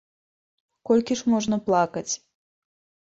Колькі ж можна плакаць?